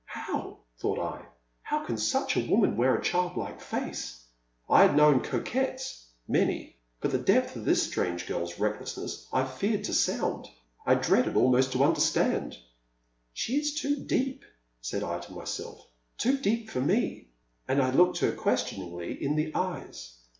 How, thought I —how can such a woman wear a childlike face !" I had known coquettes, — ^many, — but the depth of this strange girl's recklessness I feared to sound — I dreaded almost to understand. She is too deep,'* said I to myself— too deep forme, and I looked her questioningly in the eyes.